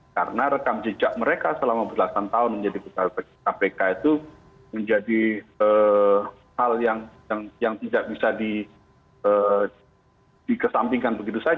karena rekam jejak mereka selama belasan tahun menjadi pegawai kpk itu menjadi hal yang tidak bisa dikesampingkan begitu saja